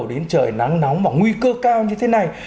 đến trời nắng nóng và nguy cơ cao như thế này